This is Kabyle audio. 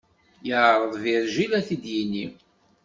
Yeɛreḍ Virgile ad yi-t-id-yini.